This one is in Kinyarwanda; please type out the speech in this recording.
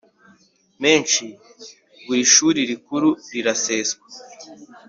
menshi buri shuri rikuru riraseswa